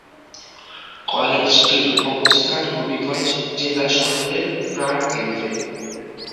কলেজটির অবস্থান হবিগঞ্জ জেলা শহরের প্রাণকেন্দ্রে।